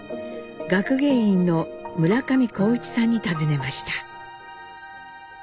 学芸員の村上孝一さんに尋ねました。